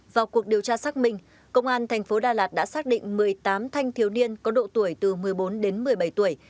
vào cuộc điều tra xác minh công an thành phố đà lạt đã xác định một mươi tám thanh thiếu niên có độ tuổi từ một mươi bốn đến một mươi bảy tuổi